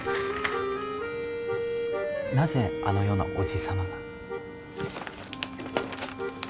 なぜあのようなおじさまが？